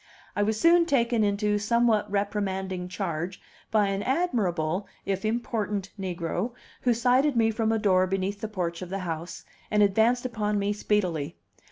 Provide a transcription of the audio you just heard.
I was soon taken into somewhat reprimanding charge by an admirable, if important, negro, who sighted me from a door beneath the porch of the house, and advanced upon me speedily.